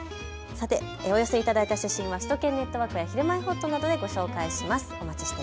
お寄せいただいた写真は首都圏ネットワーク、ひるまえほっとなどでご紹介します。